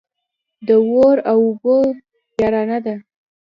د اور او اوبو يارانه ده.